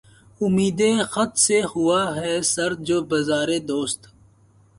آمدِ خط سے ہوا ہے سرد جو بازارِ دوست